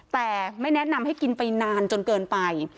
แต่ไม่แนะนำให้กินไปนานจนเกินไป